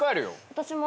私も。